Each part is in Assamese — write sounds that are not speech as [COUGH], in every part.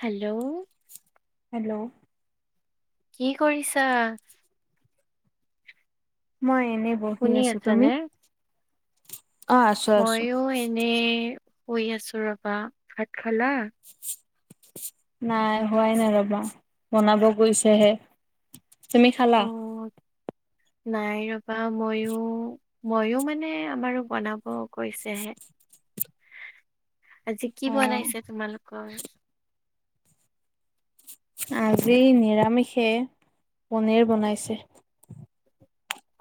হেলো! হেলো! কি কৰিছা? মই এনেই বহি শুনি আছোঁ তুমি? আছানে? অ আছো আছো। ময়ো এনে শুই আছোঁ ৰবা ভাত খালা? নাই হোৱাই নাই ৰবা বনাব গৈছেহে তুমি খালা? [INAUDIBLE] অ' নাই ৰবা মইয়ো ময়ো মানে আমাৰো বনাব গই ছেহে। [UNINTELLIGIBLE] আজি কি অ বনাইছে তোমালোকৰ? আজি নিৰামিষে পনীৰ বনাইছে।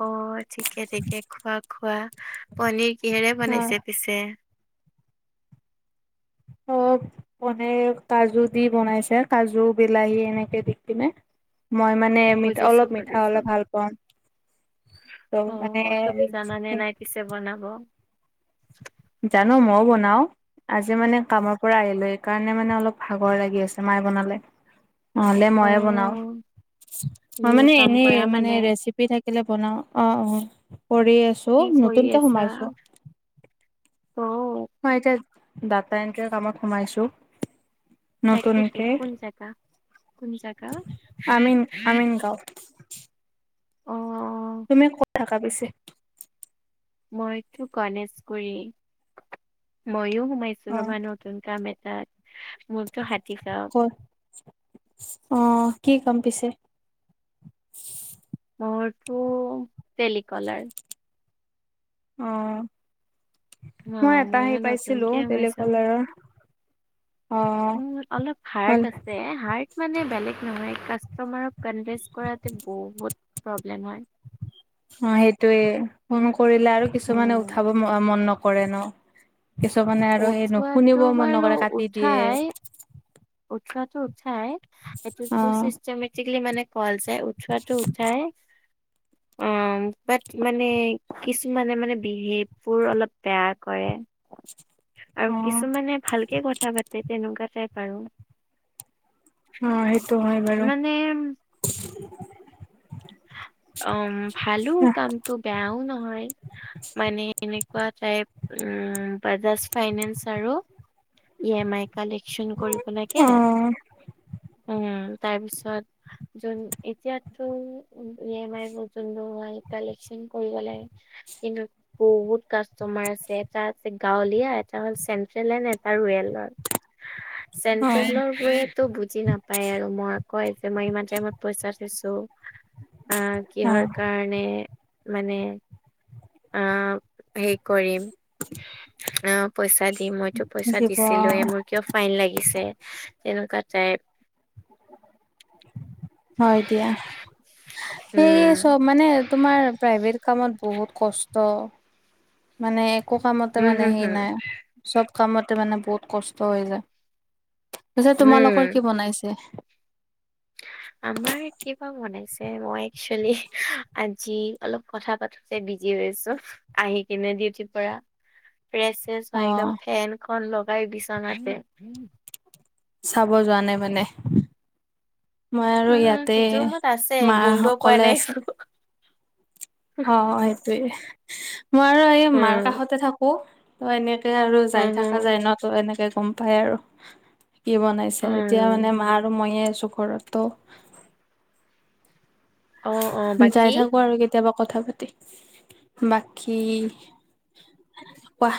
অ' ঠিকে-ঠিকে খোৱা-খোৱা পনীৰ কিহেৰে অ। বনাইছে পিছে? [UNINTELLIGIBLE] [UNINTELLIGIBLE] কাজু দি বনাইছে কাজু বিলাহী এনেকে দি কিনে। মই মানে মিঠা বুজিছো অলপ মিঠা বুজিছো। হলে ভাল পাওঁ ত মানে অ' তুমি জানানে নাই পিছে বনাব জানো মইও বনাও। আজি মানে কামৰ পৰা আহিলো সেইকাৰণে মানে অলপ ভাগৰ লাগি আছে মাইয়ে বনালে। নহলে অ' মইয়ে বনাও মই তুমিও মানে কাম এনে কৰা মানে ৰেচিপ পি থাকিলে বনাও অ অ কৰি আছো কি কৰি নতুনকে আছা? সোমাইছো। অ। মই এতিয়া ডাটা এন্ট্ৰি কামত সোমাইছো। তাকেই তো নতুনকে কোন জেগা কোন জেগা। আমিন [UNINTELLIGIBLE] অ', তুমি ক'ত থাকা পিছে? মইতো গণেশগুৰি মইয়ো অ সোমাইছো ৰমানত। নতুন কাম এটাত মোৰটো হাতী গাওঁ। অ কি কাম পিছে? মোৰটো তেলিকলাৰ। অ। মই অ', এটা মইয়ো হেৰি পাইছিলো নতুনকে সোমাইছো। তেলিকলাৰৰ। উম অলপ হাৰ্ট আছে হাৰ্ট মানে বেলেগ নহয় কাষ্টমাৰক কনভেচ কৰাটো বহুত প্ৰব্লেম হয়। অ সেইটোয়ে ফোন কৰিলে আৰু কিছুমানে উম, উঠাব মন নকৰে ন। কিছুমানে আৰু সেই ন উঠোৱাটো শুনিবও মন বাৰু নকৰে কাটি দিয়ে। উঠাই, উঠোৱাটো উঠাই অ এইটো চিষ্টেমেটিকেলি মানে কল যায় উঠোৱাটো যায় অ বাট মানে কিছুমানে মানে বিহেভ অলপ বেয়া কৰে। আৰু অ কিছুমানে ভালকে কথা পাতে তেনেকুৱা টাইপ আৰু। অ সেইটো হয় বাৰু। মানে- অম ভালো কামটো বেয়াও নহয়। মানে এনেকুৱা টাইপ উ বাজাচ ফাইনেন্স আৰু- ই এম আই কালেকশ্যন কৰিব লাগে। অ', উম তাৰপিছত যোন এতিয়া তো ই এম আইৰ প ম কালেকশ্যন কৰিব লাগে কিন্তু বহুত কাষ্টমাৰ আছে এটা আছে গাঁৱলীয়া এটা হ'ল চেন্ট্ৰেল এন এটা ৰুৱেলাৰ। [UNINTELLIGIBLE] অ', চেন্ট্ৰেলৰ বয় তো বুজি নাপায় আৰু মই কয় যে মই ইমান টাইমত পইচা থৈছো। আহ কিহৰ অ', কাৰণে মানে অ হে কৰিম। অ পইচা দিম মইতো পইচা দিব দিছিলোয়ে মোৰ- কিয় ফাইন লাগিছে তেনেকুৱা টাইপ। হয় দিয়া, সেই উম চব মানে- তোমাৰ প্ৰাইভেট কামত বহুত কষ্ট। মানে একো কামতে হম মানে হম সেই হম নাই চব কামতে মানে বহুত কষ্ট হৈ যায়। পিছে তোমালোকৰ কি হম বনাইছে? আমাৰ কিবা বনাইছে মই একচেলি আজি- অলপ কথা পাতোতে বিজি হৈ আছো আহি কিনে ডিউটিৰ পৰা ৰেষ্ট চোৱা অ'। একদম ফেনখন লগাই বিচনাতে। চাব যোৱা নাই মানে। মই আৰু উম, উম, ইয়াতে সিটো ৰুমত আছে মা গোন্ধ পোৱা সকলে নাই আছে। একো। অ সেইটোৱে মই আৰু এই মাৰ উম, কাষতে থাকো এনেকে আৰু উম, যাই হুম, থকা যায় ন ত এনেকে গম পাই আৰু। কি বনাইছে এতিয়া উম। মানে মা আৰু ময়ে আছোঁ ঘৰত ত' অ', অ', বাকী যাই থাকো আৰু কেত- কেতিয়াবা কথা পাতি, বাকী কোৱা?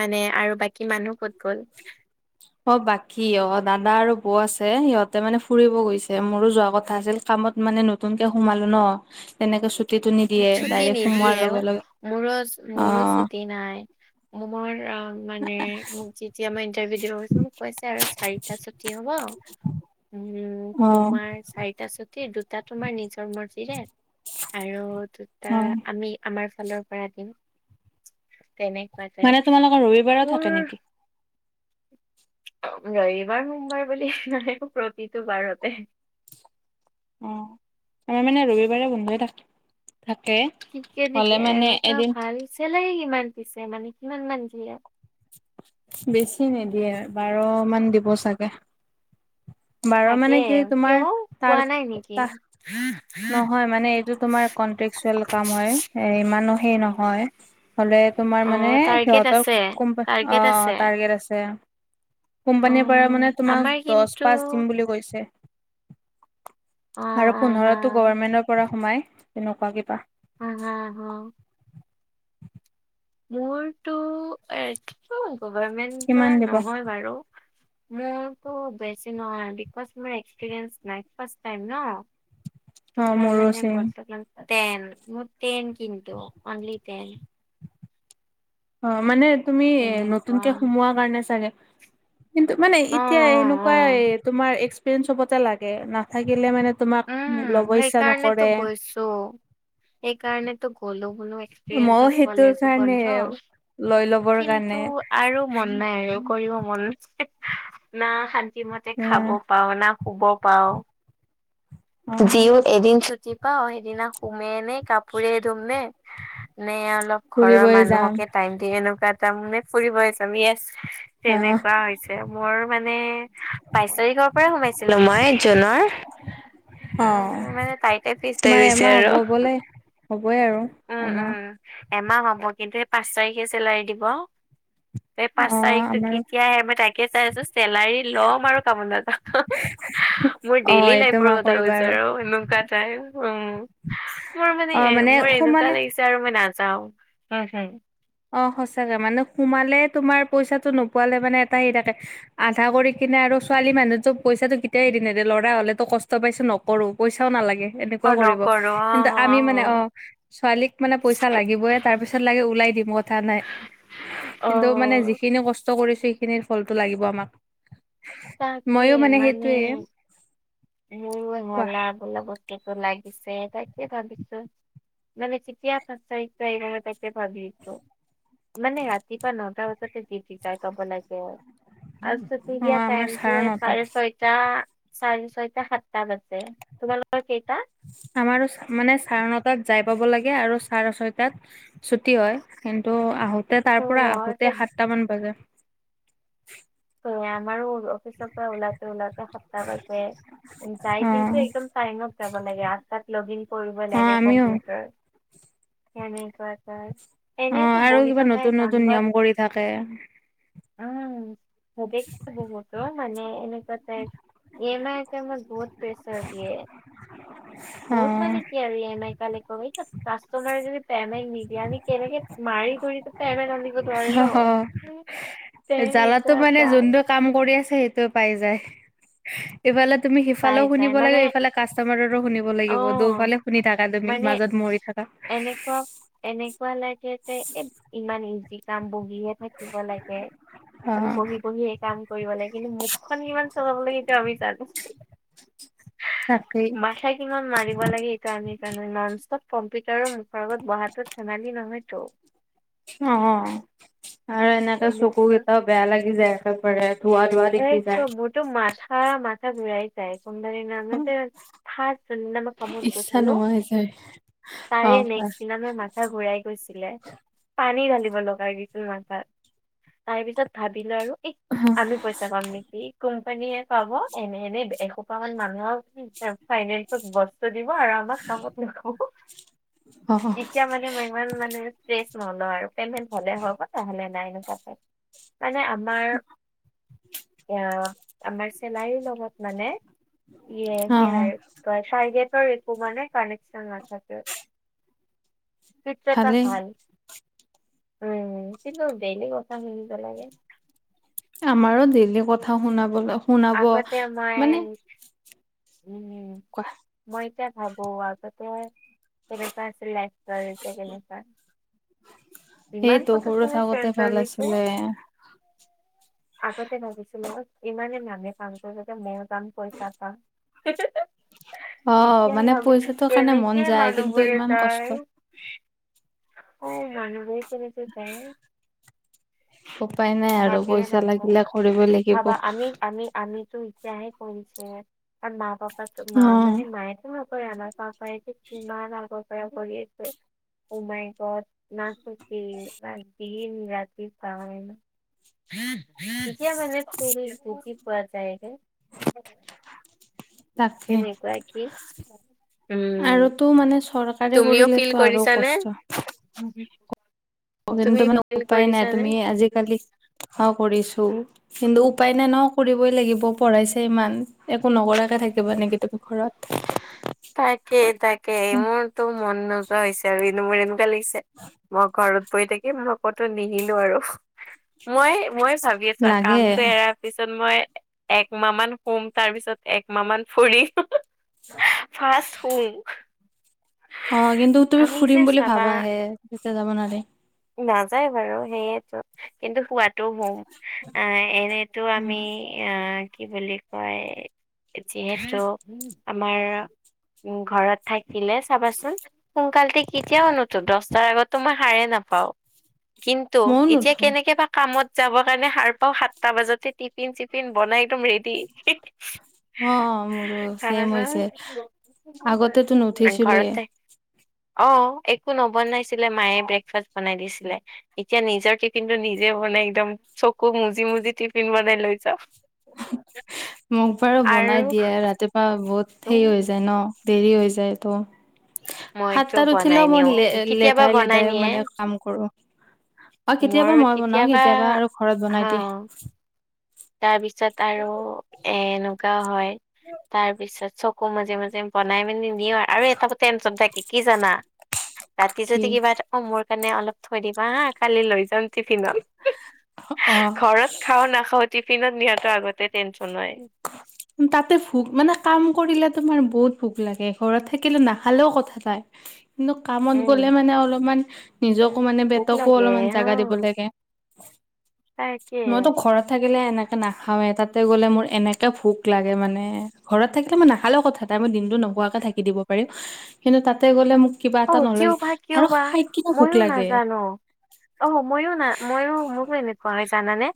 মানে আৰু বাকী মানুহ ক'ত গ'ল? অ বাকী অ দাদা আৰু বৌ আছে, সিহঁতে মানে ফুৰিব গৈছে মোৰো যোৱা কথা আছিল। কামত মানে নতুনকে সোমালো ন। তেনেকে ছুটিটো নি- ছুটি নিদিয়েও মোৰছ অ মোৰো ছুটি নাই, মোৰ আহ- মানে মোক যেতিয়া মই ইণ্টাৰভিউ দিব গৈছোঁ মোক কৈছে আৰু চাৰিটা ছুটি হব। উম অ তোমাৰ চাৰিটা চুটি দুটা তোমাৰ নিজৰ মৰ্জিৰে আৰু দুটা হয় আমি আমাৰ ফালৰ পৰা দিম। তেনেকুৱাইত মানে তোমালোকৰ ৰবিবাৰো থাকে নেকি? ৰবিবাৰ সোমবাৰ বুলি নাই প্ৰতিটো বাৰতে। অ আমাৰ মানে ৰবিবাৰে বন্ধ‌ই থাক- থাকে হলে মানে এদিন চিলেৰি কিমান পিছে, মানে কিমান মান দিয়ে? বেছি নিদিয়ে বাৰ মান দিব চাগে। বাৰ মানে থাকে কি তোমাৰ কিয় তাৰ কোৱা নাই নেকি? তা নহয় মানে এইটো তোমাৰ কনট্ৰেকচুৱেল কাম হয় ইমানো হে নহয়। হলে অ তোমাৰ মানে টাৰ্গেট সিহতৰ আছে কোম্প অ টাৰ্গেট আছে অ টাৰ্গেট আছে। অ কোম্পানীৰ পৰা মানে তোমাক আমাৰ দছ কিন্তু পাঁচ দিম বুলি কৈছে। অ আৰু অ হা পোন্ধৰো গভমেন্টৰ পৰা সোমাই তেনেকুৱা কিবা। আ আ হ। মোৰতো কিমান গভাৰমেন্টৰ দিব। নহয় বাৰু। মোৰতো বেছি নহয় বিকজ মোৰ এক্সপিৰেঞ্চ নাই ফাষ্ট টাইম ন। অ তোমাৰ মোৰো মানে চেম বৰ্তমান টেন মোৰ টেন কিন্তু অনলি। টেন অ মানে তুমি তেনেকুৱা নতুনকে সোমোৱাৰ কাৰণে চাগে। কিন্তু মানে অ এতিয়া অ অ এনেকুৱাই তোমাৰ এক্সপিৰিয়েঞ্চ চবতে লাগে নাথাকিলে মানে তোমাক ল'ব ইচ্ছা নকৰে। ছো সেইকাৰণেতো গ'লো বোলোৱেই। মইও সেইটোৰ কাৰণে লৈ ল'বৰ কিন্তু কাৰণে। আৰু মন নাই আৰু কৰিব মন নাই না শান্তি মতে খাব। উম পাও না শুব পাও। অ যিও এদিন ছুটি পাওঁ সেইদিনা সোমে নে কাপোৰে ধুম নে নে অলপ ঘৰৰ ফুৰিবই যাম মানুহকে টাইম দি এনেকুৱা এটানে ফুৰিব যাম। য়েছ আহ তেনেকুৱা হৈছে মোৰ মানে বাইশ তাৰিখৰ পৰাই সোমাইছিলো মই জুনৰ। অ তাই ফিক্স হৈ তোমাৰ গৈছে এমাহ আৰু হ'ব হবলে হ'বই আৰু উম উম এমাহ। এমাহ হব কিন্তু সেই পাঁচ তাৰিখে চেলাৰী দিব। এই পাঁচ অ তাৰিখতো আমাৰ কেতিয়া আহে মই তাকে চাই আছো চেলাৰী ল'ম আৰু কামলৈ নাযা- মোৰ অ ডেইলি এইটো লাইফৰ মাহ কথ- কৰিবা আৰু বিচাৰো এনেকুৱা টাইম উ মোৰ মানে অ এ মোৰ এনেকুৱা সোমালে লাগিছ- ছা মই নাযাওঁ। [UNINTELLIGIBLE] অ সঁচাকে মানে সোমালে তোমাৰ পইচাটো নোপোৱালে মানে এটা হে থাকে। আধা কৰি কিনে আৰু ছোৱালী মানুহতো পইচাতটো কেতিয়া এৰি নেদে ল'ৰা হলেতো কষ্ট পাইছো ন- কৰো পইচাও নালাগে অ এনেকুৱা কৰিব নকৰো অ কিন্তু আমি মানে অ ছোৱালীক মানে পইচা লাগিবইে তাৰ পিছত লাগে ওলাই দিব। মথা নাই কিন্তু মানে অ', যিখিনি কষ্ট কৰিছো সেইখিনিৰ ফলটো লাগিব আমাক তাকে মইয়ো মানে সেইটোয়ে মোৰ কোৱা হলাক গোলা বস্তুটো লাগিছে তাকে ভাবিছো। মানে কেতিয়া পাঁচ তাৰিখটো আহিব মই তাকে ভাবিছো। মানে ৰাতিপুৱা নটা বজাতে দিউতি যাই পাব লাগে। তাৰপিছত অ আমাৰ চাৰে নটা। ছয়টা, চাৰে ছয়টা, সাতটা বাজে তোমালোকৰ কেইটা- আমাৰো মানে চাৰ ন তাত যাই পাব লাগে আৰু চাৰে ছয় টাত ছুটি হয়। কিন্তু আহোতে তাৰ ত' পৰা মতে আহোতে সাতটামান বাজে- আমাৰো অফিচৰ পৰা ওলাওঁতে ওলাওতে সাতটা বাজে। অ যাই কিন্তু একদম টাইমত যাব লাগে আঠ তাত লগ ইন কৰিব অ লাগে আমিও কম্পিউটাৰ সেনে কোৱা কৈ অ আৰু কিবা নতুন নতুন নিয়ম কৰি থাকে। উম সাবেক্ষে বহুত মানে এনে কতে এম আই টাইমত বহুত প্ৰেচাৰ দিয়ে অ বহুত মানে। কি আৰু ই এম আই কালেক এইচব কাষ্টমাৰে যদি পেমেণ্ট নিদিয়েমি কেনেকে মাৰি ধৰি পেমেণ্ট আ নোৱাৰি অ ন জ্বালাতো তেনেকোৱা। মানে যোনটো কাম কৰি আছে সেইটো পাই যায় ইফালে তুমি পাই সিফালেও যায় শুনিব মানে লাগিব এইফালে কাষ্টমাৰৰো শুনিব অ লাগিব দফালে শুনি থাকা তুমি মাজত মৰি থাকা। এনেক এনেকুৱা লাগে যে এ ইমান ইজি কাম বহি হে। থাকিব লাগে অ আৰু বহি বহি কাম কৰিব লাগে কিন্তু মুখখন কিমান চলাব লাগে এতিয়া আমি জানো। তাকেই মাথাই কিমান মাৰিব লাগে সেইকানে। আমি কাৰণে নন ষ্টপ কম্পিউটাৰৰ মুখৰ আগত বহা ধেমালি নহয়তো। অ অ আৰু এনেকা চকু এনেকুৱা কেইটাও বেয়া লাগি যায় একেবাৰে ধুৱা এইটো মোৰতো মাথা মাথা ঘুৰাই যায় পোন্ধৰ অ দিনতে, ফাৰ্ষ্ট মই যোনদিনা কামত গৈছিলোঁ মাথা নোহোৱা হৈ‌ যায়। অ তাৰে নেক্ট দিনা মে মাত মাথা ঘুৰাই গৈছিলে পানী ঢালিব লগা হৈ গৈছিল মাথাত আহি পিছত ভাবিলো আৰু এই অ আমি পইচা পায় নেকি কোম্পানীয়ে পাব এনে এনে এসোপ মান মানুহৰ ফাইনেস বস্। টো দিব আৰু আমাক কামত লগাব অ এতিয়া মানে মেন ৱেন মানুহে কেছ নলয় পেমেন্ট হল‌ হয়‌ নহল নহ'লে লেহলে-। নাই ‌এনেকোৱাকে‌ মানে আমাৰ এয়া আমাৰ চেল্লেৰী লগত মানে ই অ সেয়াৰ তচা আইদিয়া তৰ একো মানে কানেকশ্বন নাথাকে। ছিক্স ৰেটত ভালেই ভাল, উম কিন্তু ডেইলি কথা শুনিব লাগে। আমাৰো ডেইলী কথা শুনাবলে শুনাব আগতে মই মানে উম। কোৱা? মই এতিয়া ভাবো আগতে কেনেকুৱা আছিল লাইফটো আৰু এতিয়া কেনেকুৱা। ইমান সেইটো সৰু পুতককেণে থাকোতে চেঞ্জ হৈ ভাল গৈছে। আছিলে আগতে ভাবিছিলো ইমানেই নেপাওঙ তো মইও যাম পইচা পাম। অ এতিয়া মানে ভাবিছো পইচাটোৰ কাৰণে মন কেনেকে যায় কিন্তু মানুহবোৰে ইমান কষ্ট যায়। অ মানুহবোৰে কেনেকে যায়। উপাই নাই। আৰু ভাবিয়ে পইচা নাপাওঁ লাগিলে কৰিব লাগিব ভাবা আমি আমি -আমিতো এতিয়াহে কওঁ যে কাৰন আৰু মাঁ পাপাতো অ মাঁ মানে মায়ে [UNINTELLIGIBLE] আমাৰ পাপাই যে কিমান আগৰ পৰা কৰি আছে অহ মায় গদ। না চুটি না দিন, ৰাতি কাম [UNINTELLIGIBLE] এতিয়া মানে একচুৱালী বুজি পোৱা যায় ৰে তাকে কেনেকুৱা কি উম, আৰুটো মানে চৰকাৰে তুমিও ফিল কৰিলেটো আৰু কৰিছানে? কষ্ট। [UNINTELLIGIBLE] অ, তুমি কিন্তু মানে ফিল উপায় নাই কৰিছানে? তুমি আজিকালি হা কৰিছোঁ। কিন্তু উপায় নাই ন' কৰিবই লাগিব পঢ়াইছে ইমান একো নকৰাকে থাকিবা নেকি তুমি ঘৰত? [UNINTELLIGIBLE] তাকে-তাকে মোৰতো মন নোযোৱা হৈছে আৰু এনে মোৰ এনেকুৱা লাগিছে মই ঘৰত বহি থাকিম মই কতো নিহিলো আৰু। মই -মই ভাবি আছো আ, লাগে কামটো এৰা ৰাৰ পিছত মই একমাহ মান শুম তাৰপিছত একমাহ মান ফুৰিম [UNINTELLIGIBLE] [INAUDIBLE] ফাৰ্ষ্ট শুম। অ, কিন্তু তুমি আমি যে ফুৰিম বুলি চাবা ভাবাহে তেতিয়া যাব নোৱাৰি। নাযায় বাৰু সেয়েটো কিন্তু শুৱাত তো শুম আ, এনেতো আমি আ, কি বুলি হয় যিহেতু আমাৰ উম, ঘৰত থাকিলে চাবাচোন সোনকালতে কেতিয়াও নুঠো দছটাৰ আগততো মই সাৰে নাপাওঁ। কিন্তু ময়ো এতিয়া নুঠো কেনেকে পা কামত যাব কাৰণে সাৰ পাওঁ সাতটা বাজাতে টিফিন চিফিন বনাই একদম ৰেডি। অ, মোৰো ছেম চাবাচোন হৈছে আগতেতো ঘৰত নুঠিছিলোয়ে। থাকি অ, একো নবনাইছিলে মায়ে ব্ৰেকফাষ্ট বনাই দিছিলে। এতিয়া নিজৰ টিফিনটো নিজে বনাই একদম চকু মুজি -মুজি টিফিন বনাই লৈ যাওঁ। মোক বাৰু আৰু বনাই দিয়ে ৰাতিপুৱা বহুত তো হেই হৈ যে যে ন'দেৰি হৈ যায় ত' মইতো সাতটাত বনাই উঠিলেওঁ নিও মই লে কেতিয়াবা -লেধাই- বনাই লেধাই নিয়ে মানে কাম কৰো। অ, কেতিয়াবা মই বনাওঁ কেতিয়াবা আৰু ঘৰত হা বনাই দিয়ে। তাৰ পিছত আৰু এ -এনেকুৱা হয় তাৰ পিছত চব আকৌ মাজে -মাজে বনাই মানি নিও আৰু এটা আক টেনচন থাকে কি জানা? ৰাতি কি যদি কিবা এটা অ, মোৰ কাৰণে অলপ থৈ দিবা হা কালি লৈ যাম। টিফিনত [UNINTELLIGIBLE] অ ঘৰত খাওঁ নাখাওঁ টিফিনত নিয়াটো আগতে টেনচন নাই। তাতে ভোক মানে কাম কৰিলে তোমাৰ বহুত ভোক লাগে ঘৰত থাকিলে নাখালেওঁ কথা নাই। [INAUDIBLE] কিন্তু কামত উম গ'লে মানে অলপমান নিজকো মানে ভোক পেটকো লাগে অলমান হা জাগা দিব লাগে। তাকে মইতো ঘৰত থাকিলে এনেকে নাখাওঁৱে তাতে গলে মোৰ এনেকে ভোক ভোক লাগে মানে ঘৰত থাকিলে মই নাখালেও কথা এটা মই দিনটো নোখোৱাকে থাকি দিব পাৰিম কিন্তু তাতে গ'লে মোক কিবা অ এটা কিয় নলয় বা কিয় আৰু বা খাই কিনে ভোক মইয়ো লাগে। নাজানো অ, ময়ো নাই ময়ো মোৰো এনেকুৱা হয় জানানে?